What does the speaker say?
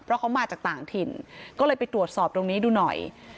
เพราะเขามาจากต่างถิ่นก็เลยไปตรวจสอบตรงนี้ดูหน่อย